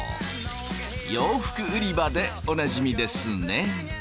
洋服売り場でおなじみですね。